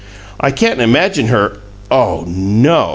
"I can't imagine her oh, NO!"